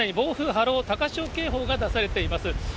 波浪高潮警報が出されています。